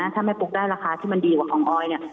ถ้าแม่ปุ๊กได้ราคาที่มันดีกว่าของออยเนี่ย